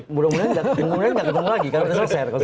mudah mudahan tidak mudah mudahan tidak ketemu lagi karena sudah selesai